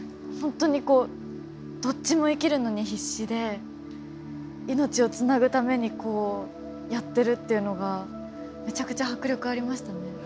本当にこうどっちも生きるのに必死で命をつなぐためにこうやってるっていうのがめちゃくちゃ迫力ありましたね。